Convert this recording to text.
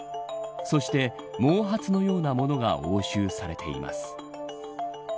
そして、毛髪のようなものが押収されています